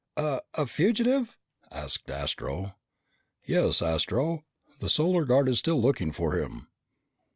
"A a fugitive?" asked Astro. "Yes, Astro. The Solar Guard is still looking for him."